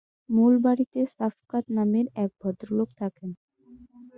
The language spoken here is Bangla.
মূল বাড়িতে সাফকাত নামের এক ভদ্রলোক থাকেন।